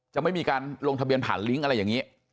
จะไม่มีการลงทะเบียนผ่านลิงก์อะไรอย่างนี้